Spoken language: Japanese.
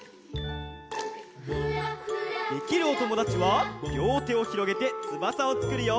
できるおともだちはりょうてをひろげてつばさをつくるよ。